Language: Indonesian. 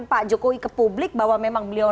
pak jokowi ke publik bahwa memang beliau